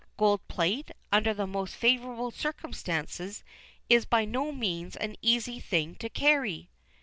Gold plate, under the most favorable circumstances, is by no means an easy thing to carry."